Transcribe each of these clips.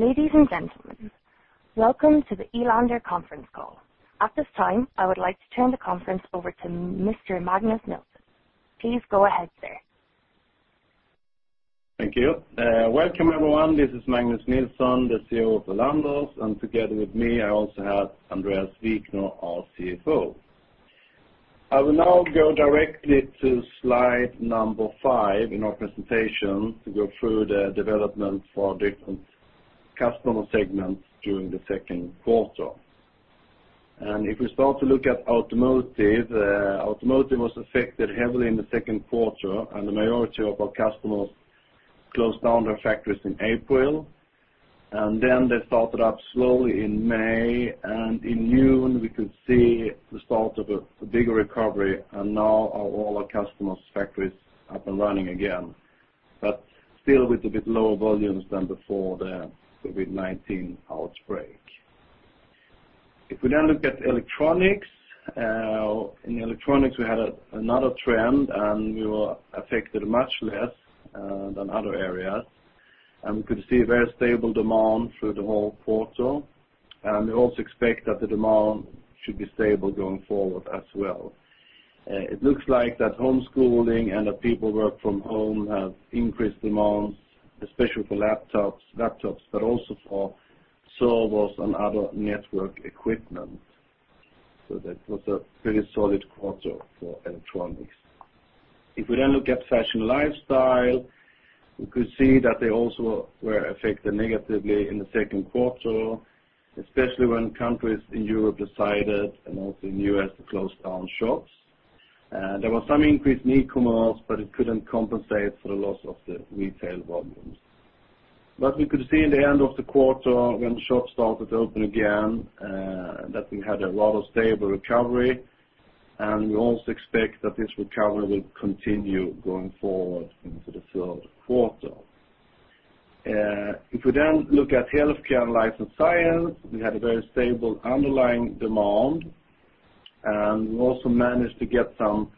Ladies and gentlemen, welcome to the Elanders conference call. At this time, I would like to turn the conference over to Mr. Magnus Nilsson. Please go ahead, sir. Thank you. Welcome, everyone. This is Magnus Nilsson, the CEO of the Elanders, and together with me, I also have Andréas Wikner, our CFO. I will now go directly to slide number five in our presentation to go through the development for different customer segments during the second quarter. If we start to look at automotive, automotive was affected heavily in the second quarter, and the majority of our customers closed down their factories in April, and then they started up slowly in May, and in June, we could see the start of a bigger recovery, and now all our customers' factories are up and running again, but still with a bit lower volumes than before the COVID-19 outbreak. If we then look at electronics, in electronics, we had another trend, and we were affected much less than other areas. We could see a very stable demand through the whole quarter, and we also expect that the demand should be stable going forward as well. It looks like that homeschooling and that people work from home have increased demands, especially for laptops, but also for servers and other network equipment. So that was a pretty solid quarter for electronics. If we then look at fashion lifestyle, we could see that they also were affected negatively in the second quarter, especially when countries in Europe decided, and also in U.S., to close down shops. There was some increased e-commerce, but it couldn't compensate for the loss of the retail volumes. But we could see in the end of the quarter, when the shops started to open again, that we had a lot of stable recovery, and we also expect that this recovery will continue going forward into the third quarter. If we then look at healthcare and life science, we had a very stable underlying demand, and we also managed to get some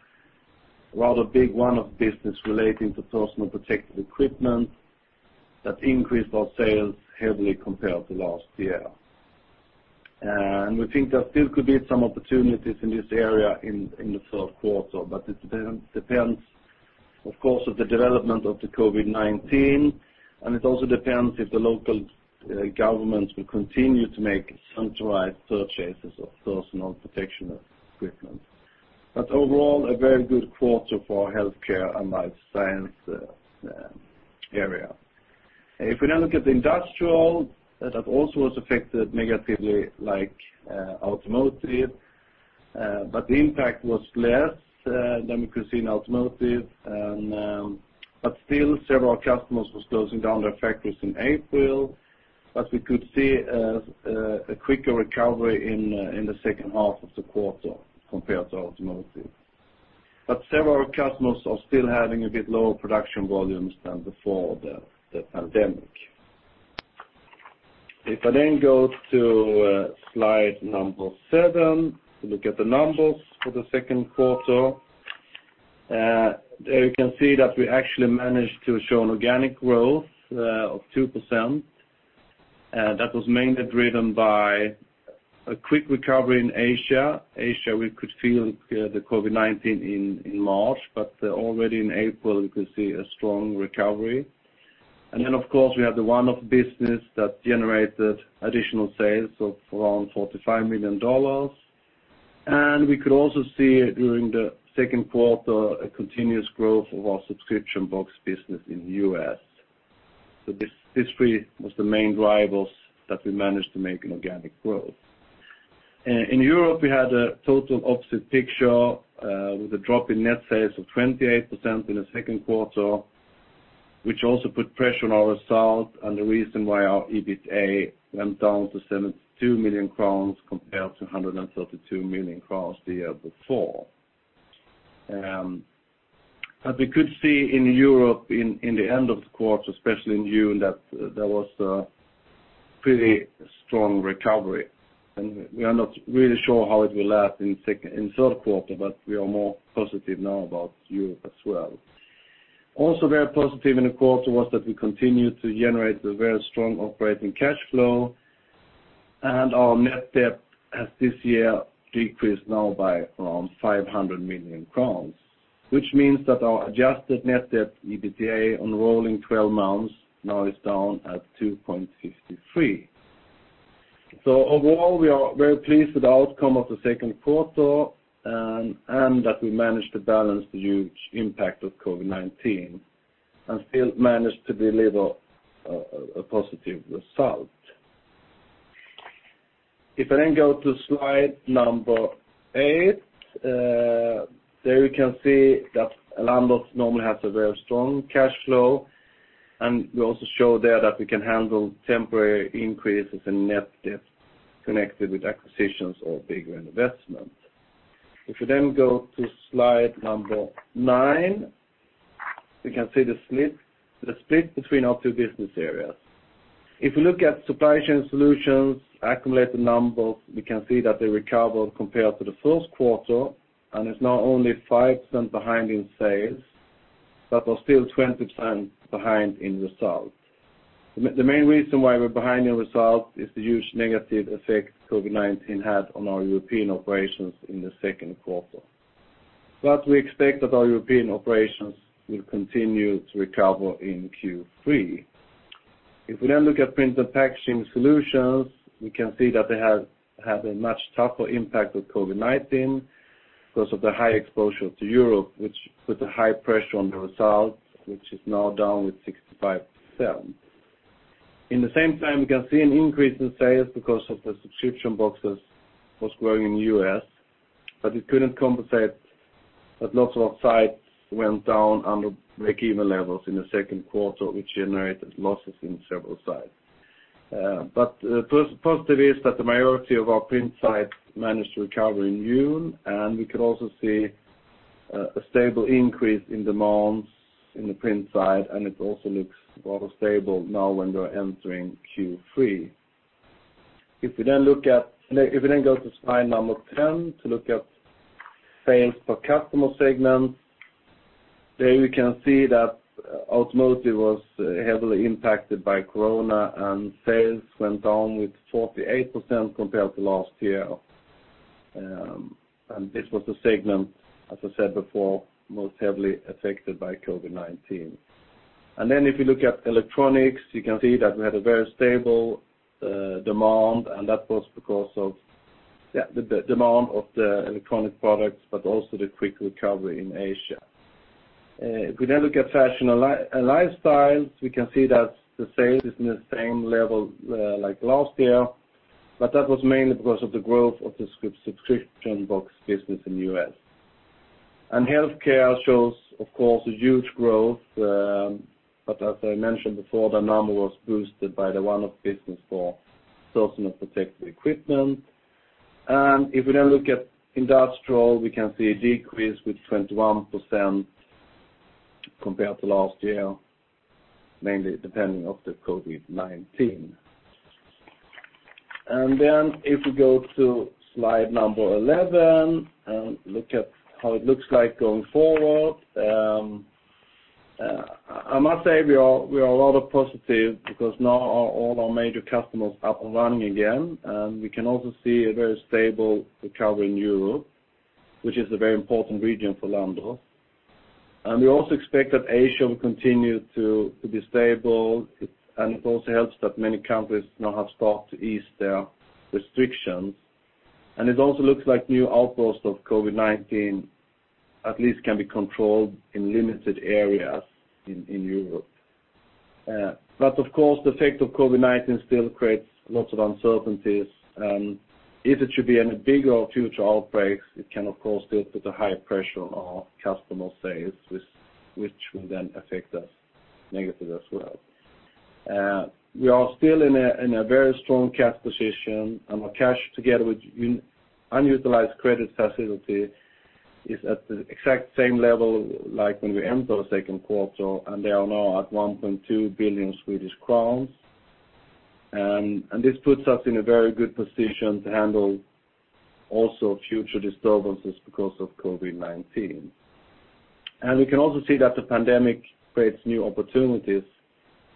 rather big one-off business relating to personal protective equipment that increased our sales heavily compared to last year. We think there still could be some opportunities in this area in the third quarter, but it depends, of course, on the development of the COVID-19, and it also depends if the local governments will continue to make centralized purchases of personal protective equipment. But overall, a very good quarter for our healthcare and life science area. If we now look at the industrial, that also was affected negatively, like, automotive, but the impact was less than we could see in automotive and... But still, several customers was closing down their factories in April, but we could see a quicker recovery in the second half of the quarter compared to automotive. But several customers are still having a bit lower production volumes than before the pandemic. If I then go to slide number seven, to look at the numbers for the second quarter, there you can see that we actually managed to show an organic growth of 2%, that was mainly driven by a quick recovery in Asia. Asia, we could feel the COVID-19 in March, but already in April, we could see a strong recovery. And then, of course, we have the one-off business that generated additional sales of around $45 million. And we could also see during the second quarter, a continuous growth of our subscription box business in the U.S. So this, this three was the main drivers that we managed to make an organic growth. In Europe, we had a total opposite picture, with a drop in net sales of 28% in the second quarter, which also put pressure on our result, and the reason why our EBITDA went down to 72 million crowns compared to 132 million crowns the year before. We could see in Europe, in the end of the quarter, especially in June, that there was a pretty strong recovery, and we are not really sure how it will last in the third quarter, but we are more positive now about Europe as well. Also, very positive in the quarter was that we continued to generate a very strong operating cash flow, and our net debt has this year decreased now by around 500 million crowns, which means that our adjusted net debt, EBITDA, on rolling twelve months, now is down at 2.53. Overall, we are very pleased with the outcome of the second quarter and that we managed to balance the huge impact of COVID-19 and still managed to deliver a positive result. If I then go to slide number eight, there you can see that Elanders normally has a very strong cash flow, and we also show there that we can handle temporary increases in net debt connected with acquisitions or bigger investment. If you then go to slide number nine, we can see the split, the split between our two business areas. If you look at Supply Chain Solutions, accumulate the numbers, we can see that the recovery compared to the first quarter, and it's now only 5% behind in sales... but we're still 20% behind in results. The main reason why we're behind in results is the huge negative effect COVID-19 had on our European operations in the second quarter. But we expect that our European operations will continue to recover in Q3. If we then look at Print and Packaging Solutions, we can see that they have had a much tougher impact with COVID-19 because of the high exposure to Europe, which put a high pressure on the results, which is now down 65%. In the same time, we can see an increase in sales because of the subscription boxes was growing in the U.S., but it couldn't compensate, but lots of our sites went down under break-even levels in the second quarter, which generated losses in several sites. First positive is that the majority of our print sites managed to recover in June, and we could also see a stable increase in demands in the print side, and it also looks rather stable now when we're entering Q3. If we then go to slide number 10 to look at sales per customer segment, there we can see that automotive was heavily impacted by Corona, and sales went down 48% compared to last year. And this was the segment, as I said before, most heavily affected by COVID-19. And then if you look at electronics, you can see that we had a very stable demand, and that was because of, yeah, the demand of the electronic products, but also the quick recovery in Asia. If we then look at fashion and lifestyle, we can see that the sales is in the same level like last year, but that was mainly because of the growth of the subscription box business in the U.S. Healthcare shows, of course, a huge growth, but as I mentioned before, the number was boosted by the one-off business for sourcing of protective equipment. If we now look at industrial, we can see a decrease with 21% compared to last year, mainly depending on the COVID-19. Then if we go to slide number 11 and look at how it looks like going forward, I must say we are a lot more positive because now all our major customers are up and running again, and we can also see a very stable recovery in Europe, which is a very important region for Elanders. We also expect that Asia will continue to be stable, and it also helps that many countries now have started to ease their restrictions. It also looks like new outbreak of COVID-19 at least can be controlled in limited areas in Europe. But of course, the effect of COVID-19 still creates lots of uncertainties, and if it should be any bigger future outbreaks, it can of course still put a high pressure on our customer sales, which will then affect us negatively as well. We are still in a very strong cash position, and our cash, together with unutilized credit facility, is at the exact same level, like when we enter the second quarter, and they are now at 1.2 billion Swedish crowns. This puts us in a very good position to handle also future disturbances because of COVID-19. We can also see that the pandemic creates new opportunities,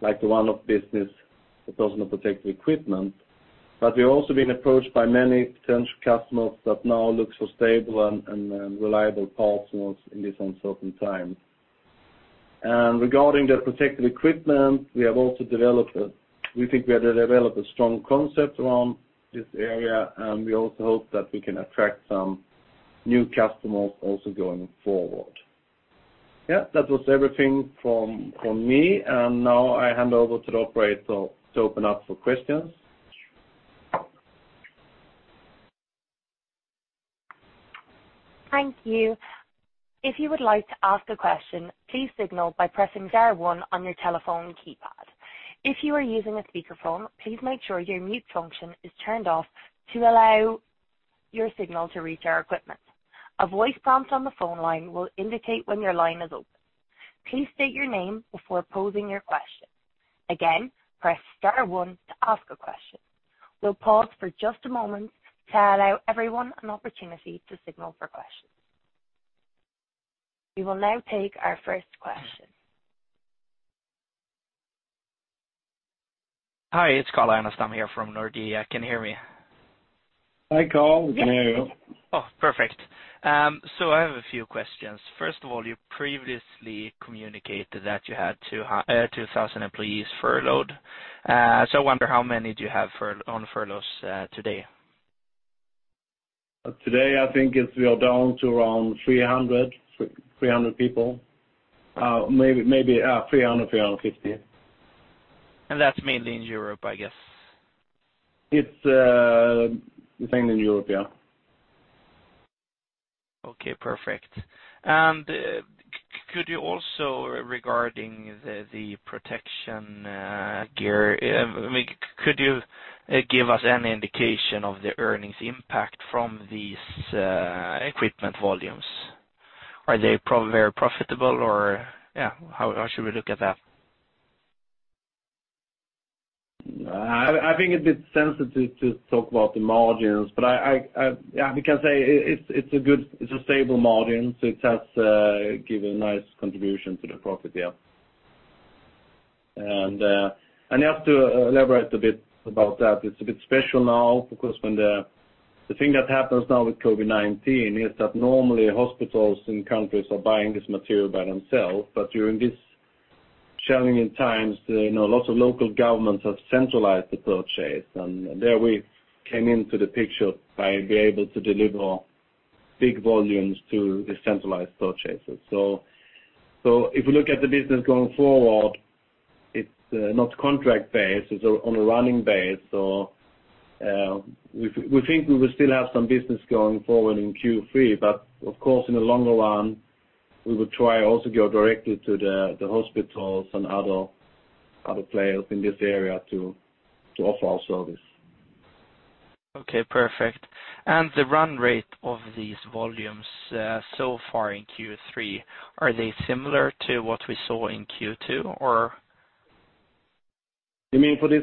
like the one-off business, the personal protective equipment. But we've also been approached by many potential customers that now look for stable and reliable partners in this uncertain time. And regarding the protective equipment, we have also developed—we think we have developed a strong concept around this area, and we also hope that we can attract some new customers also going forward. Yeah, that was everything from me, and now I hand over to the operator to open up for questions. Thank you. If you would like to ask a question, please signal by pressing star one on your telephone keypad. If you are using a speakerphone, please make sure your mute function is turned off to allow your signal to reach our equipment. A voice prompt on the phone line will indicate when your line is open. Please state your name before posing your question. Again, press star one to ask a question. We'll pause for just a moment to allow everyone an opportunity to signal for questions. We will now take our first question. Hi, it's Carl Ragnerstam. I'm here from Nordea. Can you hear me? Hi, Carl. We can hear you. Yes, we can. Oh, perfect. So I have a few questions. First of all, you previously communicated that you had 2,000 employees furloughed. So I wonder, how many do you have on furloughs today? Today, I think it's we are down to around 300, 300 people, maybe, maybe, 300, 350. That's mainly in Europe, I guess. It's mainly in Europe, yeah. Okay, perfect. And could you also, regarding the protection gear, give us any indication of the earnings impact from these equipment volumes? Are they very profitable or, yeah, how should we look at that?... I think it's a bit sensitive to talk about the margins, but yeah, we can say it, it's a good—it's a stable margin, so it has given a nice contribution to the profit, yeah. And you have to elaborate a bit about that. It's a bit special now, because when the thing that happens now with COVID-19 is that normally hospitals in countries are buying this material by themselves, but during these challenging times, you know, lots of local governments have centralized the purchase, and there we came into the picture by being able to deliver big volumes to the centralized purchasers. So if you look at the business going forward, it's not contract-based, it's on a running base. So, we think we will still have some business going forward in Q3, but of course, in the longer run, we will try also go directly to the hospitals and other players in this area to offer our service. Okay, perfect. The run rate of these volumes, so far in Q3, are they similar to what we saw in Q2, or? You mean for this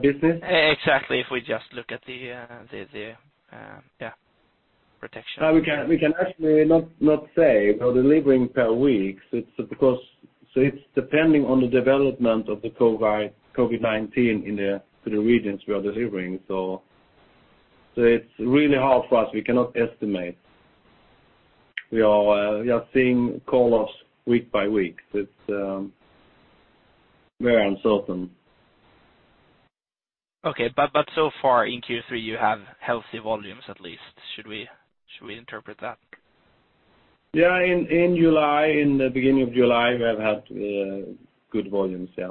business? Exactly. If we just look at the protection. We can actually not say we're delivering per week. It's because... So it's depending on the development of the COVID-19 into the regions we are delivering. So it's really hard for us. We cannot estimate. We are seeing call-offs week by week, but very uncertain. Okay. But so far in Q3, you have healthy volumes, at least. Should we interpret that? Yeah, in July, in the beginning of July, we have had good volumes, yeah.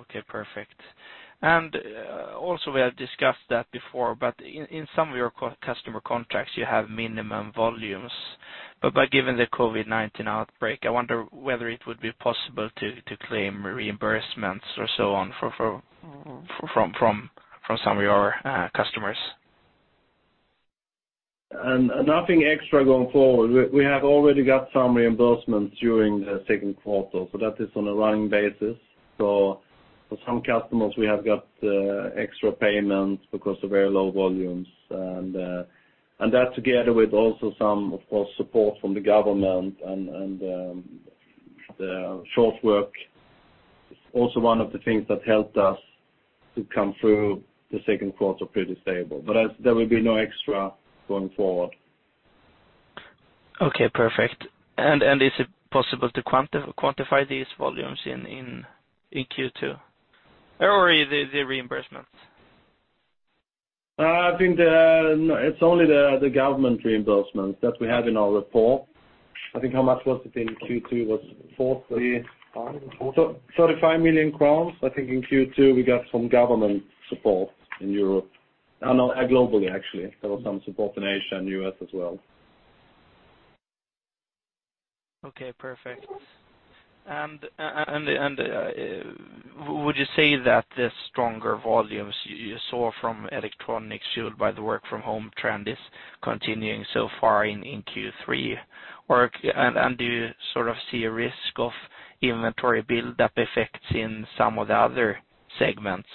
Okay, perfect. And also, we have discussed that before, but in some of your customer contracts, you have minimum volumes. But by giving the COVID-19 outbreak, I wonder whether it would be possible to claim reimbursements or so on from some of your customers. Nothing extra going forward. We have already got some reimbursements during the second quarter, so that is on a running basis. So for some customers, we have got extra payments because of very low volumes, and that together with also some, of course, support from the government and the short work is also one of the things that helped us to come through the second quarter pretty stable. But there will be no extra going forward. Okay, perfect. And is it possible to quantify these volumes in Q2, or the reimbursements? I think, no, it's only the government reimbursement that we have in our report. I think, how much was it in Q2? Was forty- Thirty-five. 35 million crowns. I think in Q2, we got some government support in Europe. No, globally, actually. There was some support in Asia and U.S. as well. Okay, perfect. And would you say that the stronger volumes you saw from electronics, fueled by the work from home trend, is continuing so far in Q3? Or do you sort of see a risk of inventory buildup effects in some of the other segments?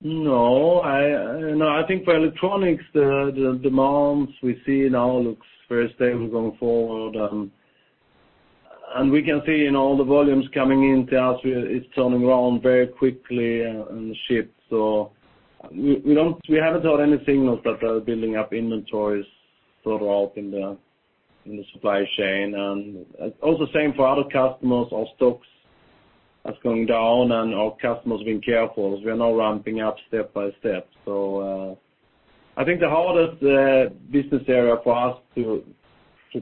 No, I think for electronics, the demands we see now looks very stable going forward. And we can see in all the volumes coming in to us, it's turning around very quickly and shipped. So we don't— we haven't heard any signals that are building up inventories further up in the supply chain. And also same for other customers, our stocks is going down, and our customers are being careful. We are now ramping up step by step. So, I think the hardest business area for us to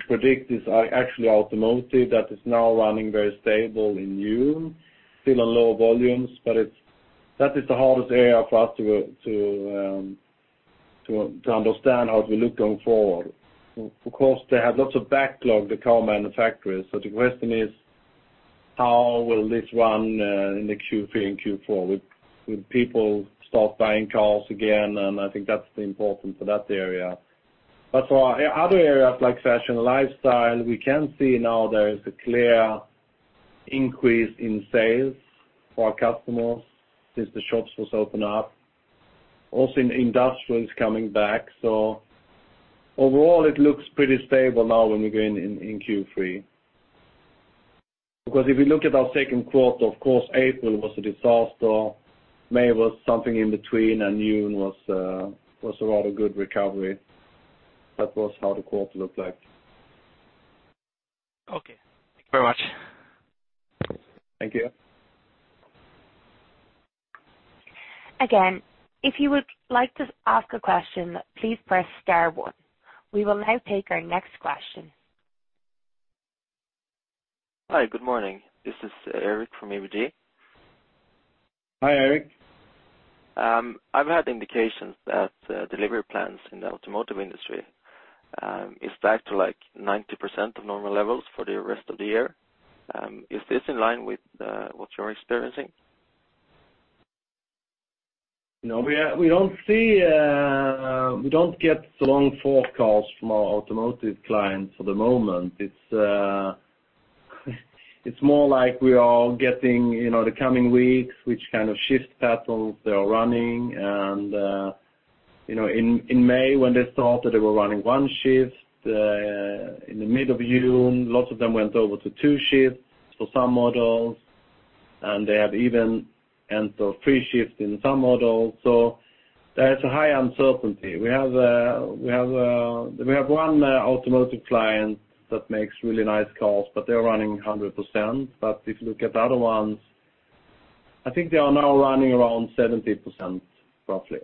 predict is actually automotive. That is now running very stable in June, still on low volumes, but it's— that is the hardest area for us to understand how to look going forward. Of course, they have lots of backlog, the car manufacturers, so the question is: How will this run in the Q3 and Q4? Will people start buying cars again? And I think that's important for that area. But for other areas like fashion and lifestyle, we can see now there is a clear increase in sales for our customers since the shops was opened up. Also in industrial is coming back, so overall it looks pretty stable now when we go in Q3. Because if you look at our second quarter, of course, April was a disaster, May was something in between, and June was a rather good recovery. That was how the quarter looked like. Okay. Thank you very much. Thank you. Again, if you would like to ask a question, please press star one. We will now take our next question. Hi, good morning. This is Erik from ABG. Hi, Erik. I've had indications that delivery plans in the automotive industry is back to, like, 90% of normal levels for the rest of the year. Is this in line with what you're experiencing?... No, we don't see, we don't get so long forecasts from our automotive clients for the moment. It's more like we are all getting, you know, the coming weeks, which kind of shift patterns they are running. And, you know, in May, when they thought that they were running one shift, in the mid of June, lots of them went over to two shifts for some models, and they have even entered three shifts in some models. So there's a high uncertainty. We have one automotive client that makes really nice cars, but they're running 100%. But if you look at the other ones, I think they are now running around 70%, roughly.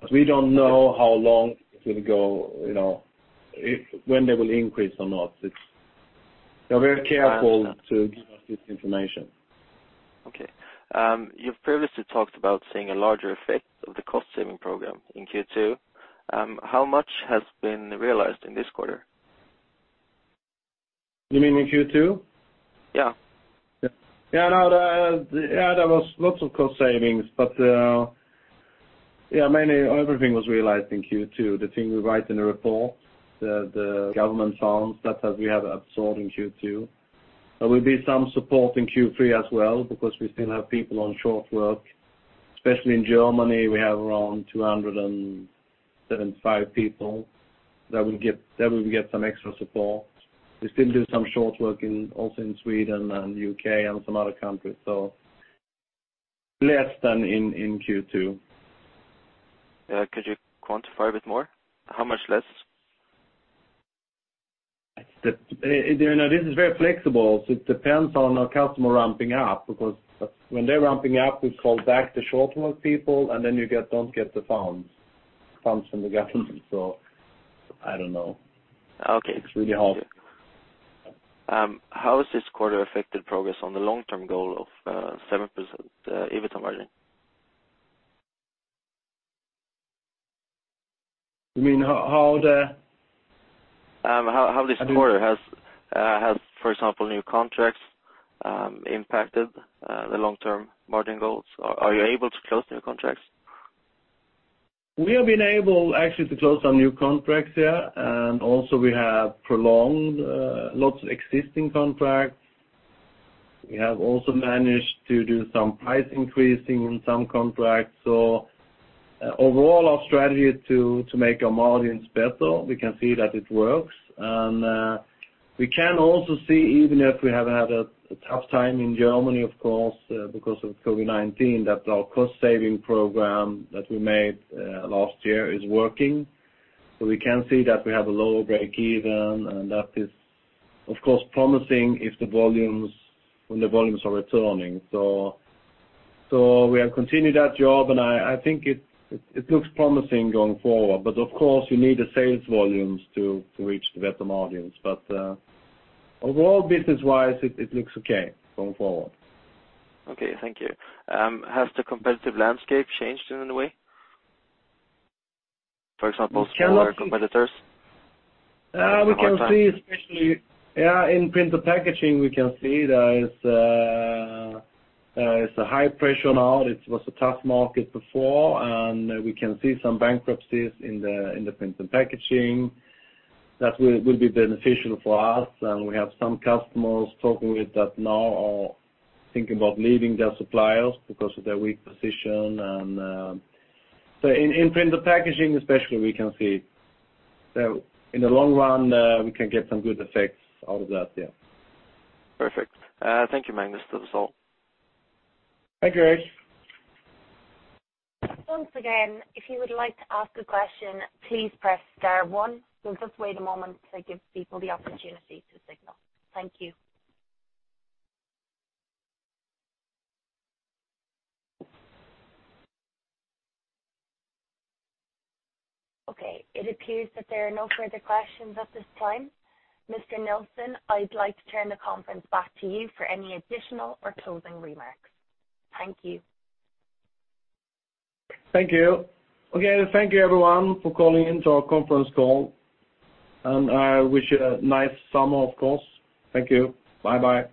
But we don't know how long it's going to go, you know, if, when they will increase or not. They're very careful to give us this information. Okay. You've previously talked about seeing a larger effect of the cost-saving program in Q2. How much has been realized in this quarter? You mean in Q2? Yeah. Yeah. Yeah, no, yeah, there was lots of cost savings, but yeah, mainly everything was realized in Q2. The thing we write in the report, the government funds, that's as we have absorbed in Q2. There will be some support in Q3 as well, because we still have people on short work, especially in Germany, we have around 275 people that will get some extra support. We still do some short work also in Sweden and U.K. and some other countries, so less than in Q2. Could you quantify a bit more? How much less? You know, this is very flexible, so it depends on our customer ramping up, because when they're ramping up, we call back the short work people, and then you get- don't get the funds, funds from the government. So I don't know. Okay. It's really hard. How has this quarter affected progress on the long-term goal of 7% EBITDA margin? You mean how the- How this quarter has, for example, new contracts impacted the long-term margin goals? Are you able to close new contracts? We have been able actually to close some new contracts, yeah, and also we have prolonged lots of existing contracts. We have also managed to do some price increasing on some contracts. So overall, our strategy is to make our margins better. We can see that it works. And we can also see, even if we have had a tough time in Germany, of course, because of COVID-19, that our cost saving program that we made last year is working. So we can see that we have a lower break-even, and that is, of course, promising if the volumes, when the volumes are returning. So we have continued that job, and I think it looks promising going forward. But of course, you need the sales volumes to reach the better margins. But, overall, business-wise, it, it looks okay going forward. Okay, thank you. Has the competitive landscape changed in any way? For example, smaller competitors. We can see, especially- One more time. Yeah, in print packaging, we can see that it's a high pressure now. It was a tough market before, and we can see some bankruptcies in the print packaging. That will be beneficial for us, and we have some customers talking with us now or thinking about leaving their suppliers because of their weak position and... So in print packaging especially, we can see. So in the long run, we can get some good effects out of that, yeah. Perfect. Thank you, Magnus. That's all. Thank you, Erik. Once again, if you would like to ask a question, please press star one. We'll just wait a moment to give people the opportunity to signal. Thank you. Okay, it appears that there are no further questions at this time. Mr. Nilsson, I'd like to turn the conference back to you for any additional or closing remarks. Thank you. Thank you. Okay, thank you, everyone, for calling in to our conference call, and I wish you a nice summer, of course. Thank you. Bye-bye.